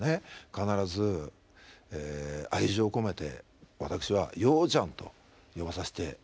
必ず愛情込めて私は洋ちゃんと呼ばさせていただいてます。